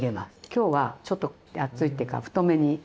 今日はちょっと厚いっていうか太めに。